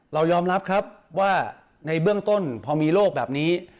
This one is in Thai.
เรายอมรับครับว่าในเบื้องต้นพอมีโรคแบบนี้